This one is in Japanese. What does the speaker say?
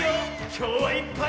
きょうはいっぱい。